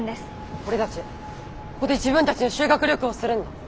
俺たちここで自分たちの修学旅行をするんだ。